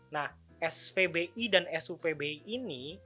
nah spbi dan sufbi ini